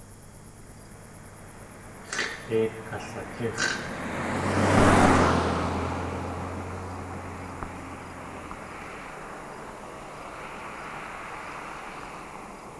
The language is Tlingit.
X̲ʼéit kalatíx̲ʼ!